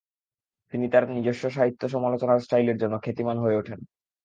তিনি তাঁর নিজস্ব সাহিত্য সমালোচনার স্টাইলের জন্য খ্যাতিমান হয়ে ওঠেন।